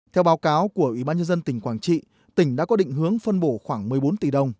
theo báo cáo của ủy ban nhân dân tỉnh quảng trị tỉnh đã có định hướng phân bổ khoảng một mươi bốn tỷ đồng